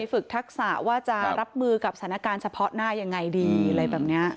ฝึกทักษะว่าจะรับมือกับสถานการณ์เฉพาะหน้ายังไงดีอะไรแบบนี้